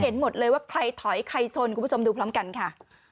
เห็นหมดเลยว่าใครถอยใครชนคุณผู้ชมดูพร้อมกันค่ะ